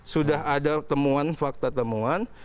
sudah ada temuan fakta temuan